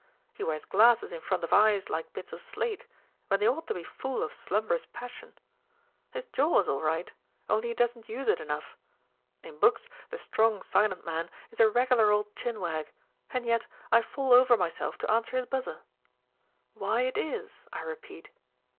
He wears glasses in front of eyes like bits of slate, when they ought to be full of slumbrous passion. His jaw is all right, only he doesn't use it enough; in books the strong, silent man is a regular old chin wag, and yet I fall over myself to answer his buzzer. Why it is, I repeat?"